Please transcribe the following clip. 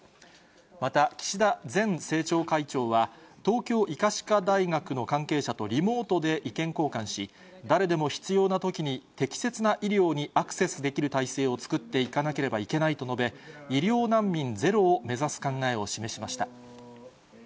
また、岸田前政調会長は、東京医科歯科大学の関係者とリモートで意見交換し、誰でも必要なときに適切な医療にアクセスできる体制を作っていかなければいけないと述べ、医療難民ゼロを目指す考えを示しました。